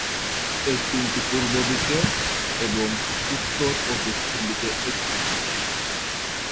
এর তিনটি পূর্বদিকে এবং উত্তর ও দক্ষিণ দিকে একটি করে।